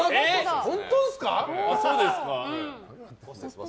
本当ですか？